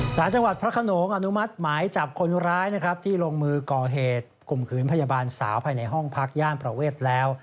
สารจังหวัดพระขนงอนุมัติหมายจับคนร้ายนะครับที่ลงมือก่อเหตุข่มขืนพยาบาลสาวภายในห้องพักย่านประเวทแล้ว